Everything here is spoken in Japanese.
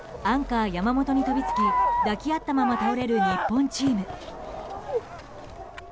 アンカー山本に飛びつき抱き合ったまま倒れる日本チーム。